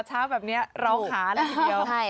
เช้าแบบนี้เราขาเลยทีเดียว